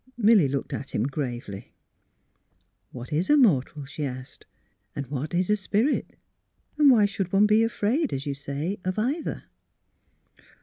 Milly looked at him, gravely. *' What is a mortal? " she asked. " And what is a spirit? And why should one be afraid, as you say, of either?